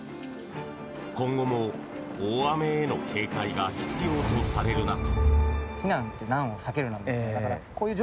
今後も大雨への警戒が必要とされる中。